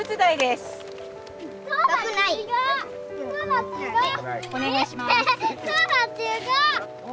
すごい。